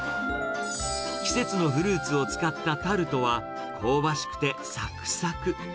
季節のフルーツを使ったタルトは、香ばしくてさくさく。